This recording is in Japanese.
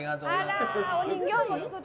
お人形も作って。